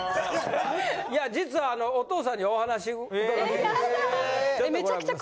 いや実はお父さんにお話伺ってきました。